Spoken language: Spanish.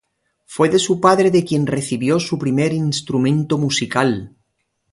Fue de su padre de quien recibió su primer instrumento musical.